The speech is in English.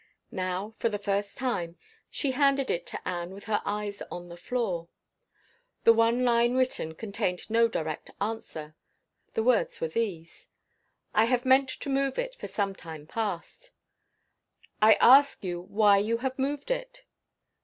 Now, for the first time, she handed it to Anne with her eyes on the floor. The one line written contained no direct answer: the words were these: "I have meant to move it, for some time past." "I ask you why you have moved it."